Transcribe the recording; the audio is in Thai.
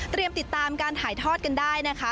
ติดตามการถ่ายทอดกันได้นะคะ